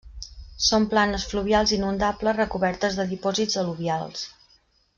Són planes fluvials inundables recobertes de dipòsits al·luvials.